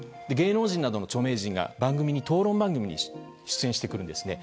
芸能人などの著名人が討論番組に出演してくるんです。